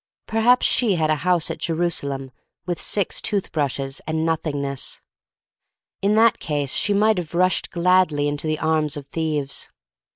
Perhaps she had a house at Jerusalem with six tooth brushes and Nothingness. In that case she might have rushed gladly into the arms of thieves.